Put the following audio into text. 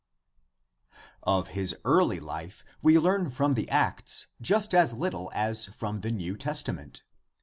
D.). Of his early life we learn from the Acts just as little as from the New Testament.